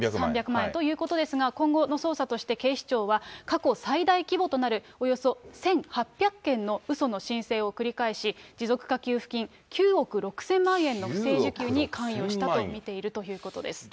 ３００万円ということですが、今後の捜査として、警視庁は、過去最大規模となる、およそ１８００件のうその申請を繰り返し、持続化給付金９億６０００万円の不正受給に関与したと見ているということです。